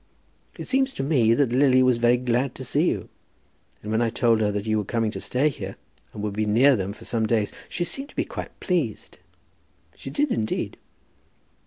"It seems to me that Lily was very glad to see you, and when I told her that you were coming to stay here, and would be near them for some days, she seemed to be quite pleased; she did indeed."